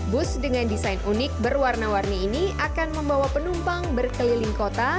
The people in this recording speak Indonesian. bus dengan desain unik berwarna warni ini akan membawa penumpang berkeliling kota